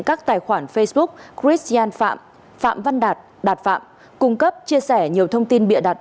các tài khoản facebook christian phạm phạm văn đạt đạt phạm cung cấp chia sẻ nhiều thông tin bịa đặt